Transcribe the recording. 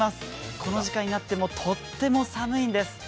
この時間になってもとっても寒いんです。